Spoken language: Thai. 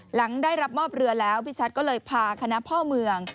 หลังได้รับมอบเรือแล้วพี่ชัดก็เลยพาคณะพ่อเมือง